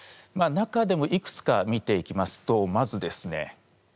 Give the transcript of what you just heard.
中でもいくつか見ていきますとまずですね